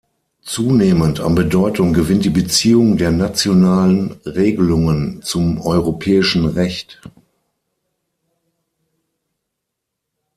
Zunehmend an Bedeutung gewinnt die Beziehung der nationalen Regelungen zum europäischen Recht.